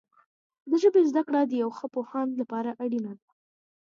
د ژبې زده کړه د یو ښه پوهاند لپاره اړینه ده.